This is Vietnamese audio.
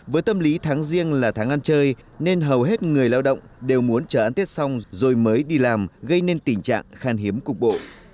với tâm lý tháng riêng là tháng ăn chơi nên hầu hết người lao động đều muốn chờ ăn tết xong rồi mới đi làm gây nên tình trạng khan hiếm cục bộ